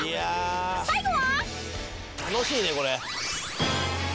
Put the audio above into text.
［最後は］